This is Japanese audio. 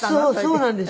そうなんですよ。